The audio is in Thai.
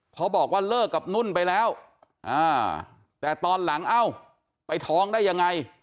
เพราะบอกว่าเลิกกับนุ่นไปแล้วแต่ตอนหลังเอ้าไปท้องได้ยังไง